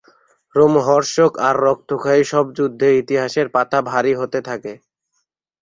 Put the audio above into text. রোমহর্ষক আর রক্তক্ষয়ী সব যুদ্ধে ইতিহাসের পাতা ভারী হতে থাকে।